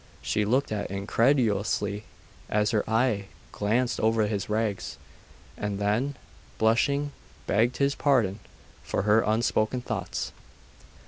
She looked at incredulously, as her eye glanced over his rags, and then, blushing, begged his pardon for her unspoken thoughts.